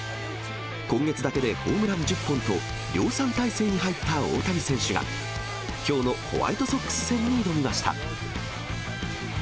今月だけでホームラン１０本と量産態勢に入った大谷選手が、きょうのホワイトソックス戦に挑みました。